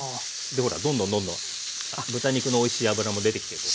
ほらどんどんどんどん豚肉のおいしい脂も出てきてるでしょ。